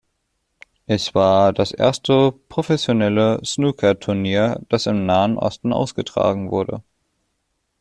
Es war das erste professionelle Snookerturnier, das im Nahen Osten ausgetragen wurde.